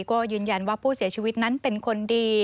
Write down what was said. ก็ยืนยันว่าผู้เสียชีวิตนั้นเป็นคนดี